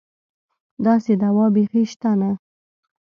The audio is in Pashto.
داسې دوا بېخي شته نه.